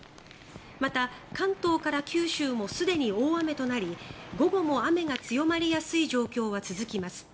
また、関東から九州もすでに大雨となり午後も雨が強まりやすい状況は続きます。